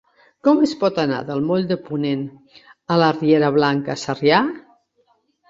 Com es fa per anar del moll de Ponent a la riera Blanca Sarrià?